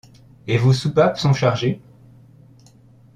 Et vos soupapes sont chargées ?...